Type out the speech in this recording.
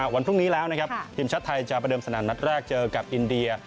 วันพรุ่งนี้แล้วนะครับทีมชาติไทยจะประเดิมสนามนัดแรกเจอกับอินเดีย